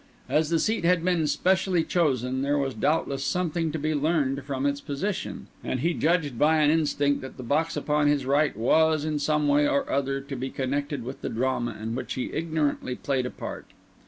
As the seat had been specially chosen there was doubtless something to be learned from its position; and he judged by an instinct that the box upon his right was, in some way or other, to be connected with the drama in which he ignorantly played a part.